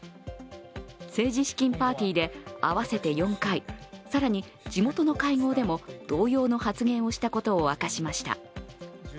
政治資金パーティーで合わせて４回更に地元の会合でも同様の発言をしたことを明かしました。